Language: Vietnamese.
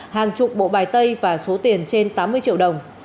hàng chục bộ bài tay và số tiền trên tám mươi triệu đồng